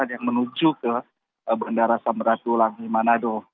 yang menuju ke bandara samratulangi manado